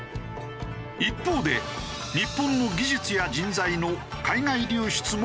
一方で日本の技術や人材の海外流出も問題に。